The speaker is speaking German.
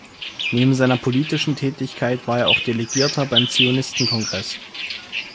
Neben seiner politischen Tätigkeit war er auch Delegierter beim Zionistenkongress.